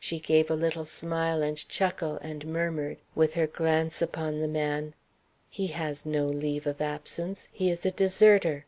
She gave a little smile and chuckle, and murmured, with her glance upon the man: "He has no leave of absence. He is a deserter."